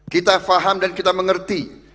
kita faham dan kita mengerti